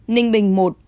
ninh bình một